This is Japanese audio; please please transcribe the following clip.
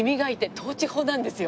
倒置法なんですよ。